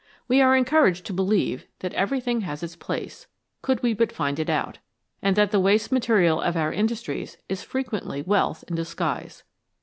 We are encouraged to believe that everything has its place, could we but find it out, and that the waste material of our industries is frequently wealth in disguise.